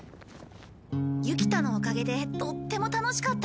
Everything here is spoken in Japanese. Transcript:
ユキ太のおかげでとっても楽しかったよ。